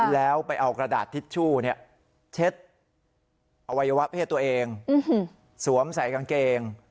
แล้วไปเอากระดาษทิชชู่เช็ดอวัยวะเพศตัวเองสวมใส่กางเกง